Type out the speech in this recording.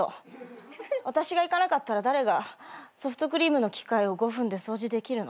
私が行かなかったら誰がソフトクリームの機械を５分で掃除できるの？